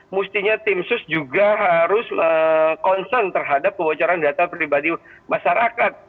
mestinya tim sus juga harus concern terhadap kebocoran data pribadi masyarakat